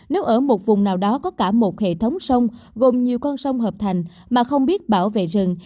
nếu ở một vùng nào đó có cả một hệ thống sông gồm nhiều con sông hợp thành mà không biết bảo vệ rừng